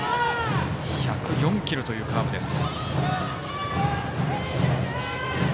１０４キロというカーブです。